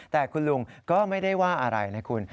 แต่คุณลุงก็ไม่ได้ว่าอะไรนะคุณ